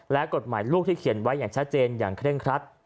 และกฎหมายลูกที่เขียนไว้ช้าเจนอย่างเคล็งคลัด